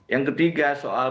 yang ketiga soal